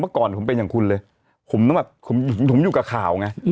ก่อนผมเป็นอย่างคุณเลยผมต้องแบบผมอยู่กับข่าวไง